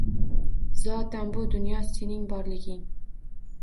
Zotan bu dunyo sening borliging